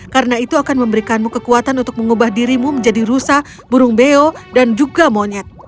karena itu akan memberikanmu kekuatan untuk mengubah dirimu menjadi rusa burung beo dan juga monyet